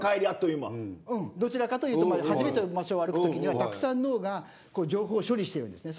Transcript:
うんどちらかというと初めての場所を歩くときにはたくさん脳が情報を処理しているんですね。